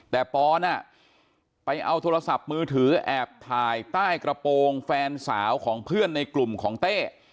แต่ปอนไปเอาโทรศัพท์มือถือแอบถ่ายใต้กระโปรงแฟนสาวของเพื่อนในกลุ่มของเต้